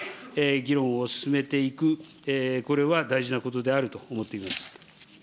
議論を進めていく、これは大事なことであると思っています。